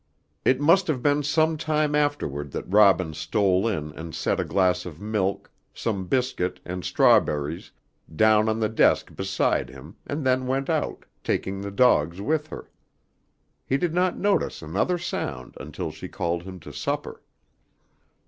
It must have been some time afterward that Robin stole in and set a glass of milk, some biscuit and strawberries, down on the desk beside him and then went out, taking the dogs with her. He did not notice another sound until she called him to supper.